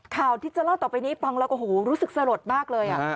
ข่าวที่จะเล่าต่อไปนี้ปังเราก็รู้สึกสะหรอดมากเลย